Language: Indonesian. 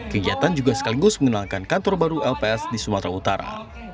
kegiatan juga sekaligus mengenalkan kantor baru lps di sumatera utara